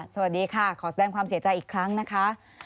สวัสดีค่ะขอแสดงความเสียใจอีกครั้งนะคะ